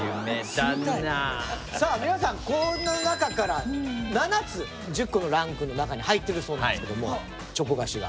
さあ皆さんこの中から７つ１０個のランクの中に入ってるそうなんですけどもチョコ菓子が。